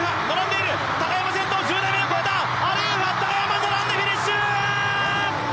今並んでフィニッシュー！